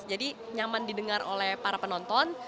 jadi nyaman didengar oleh para penonton